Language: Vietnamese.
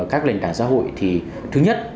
các nền tảng xã hội thì thứ nhất